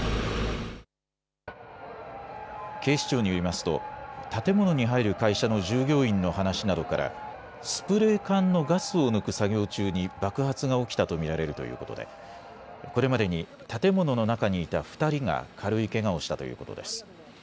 警視庁によりますと建物に入る会社の従業員の話などからスプレー缶のガスを抜く作業中に爆発が起きたと見られるということでこれまでに建物の中にいた２人が軽いけがをしたということです。